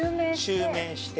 ◆襲名して。